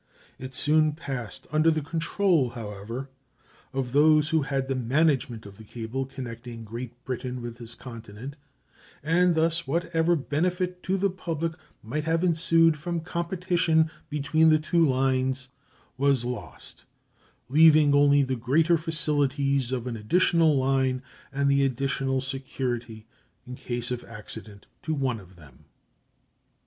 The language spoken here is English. It soon passed under the control, however, of those who had the management of the cable connecting Great Britain with this continent, and thus whatever benefit to the public might have ensued from competition between the two lines was lost, leaving only the greater facilities of an additional line and the additional security in case of accident to one of them.